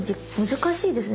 難しいですね